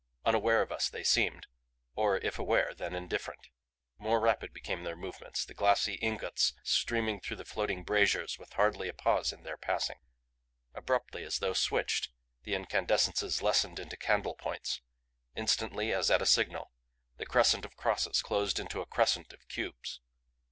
Unaware of us they seemed, or if aware, then indifferent. More rapid became their movements, the glassy ingots streaming through the floating braziers with hardly a pause in their passing. Abruptly, as though switched, the incandescences lessened into candle points; instantly, as at a signal, the crescent of crosses closed into a crescent of cubes.